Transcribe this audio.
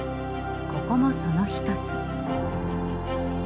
ここもその一つ。